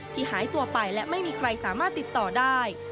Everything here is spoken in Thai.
หายตัวไปและไม่มีใครสามารถติดต่อได้